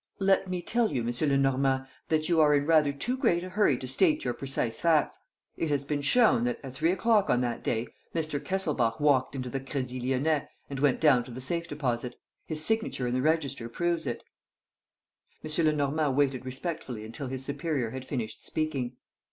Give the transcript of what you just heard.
"Let me tell you, M. Lenormand, that you are in rather too great a hurry to state your precise facts. It has been shown that, at three o'clock on that day, Mr. Kesselbach walked into the Crédit Lyonnais and went down to the safe deposit. His signature in the register proves it." M. Lenormand waited respectfully until his superior had finished speaking.